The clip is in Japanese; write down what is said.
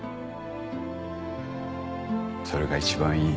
それが一番いい。